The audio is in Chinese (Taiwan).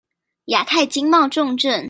亞太經貿重鎮